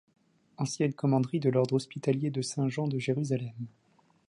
Ancienne commanderie de l'ordre Hospitalier de Saint-Jean de Jérusalem.